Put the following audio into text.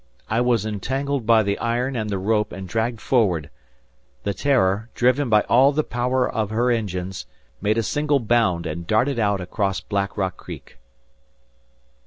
I was entangled by the iron and the rope and dragged forward— The "Terror," driven by all the power of her engines, made a single bound and darted out across Black Rock Creek.